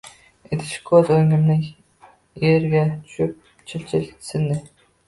Idish ko`z o`ngimda erga tushib chil-chil sindi